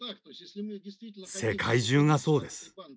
世界中がそうです。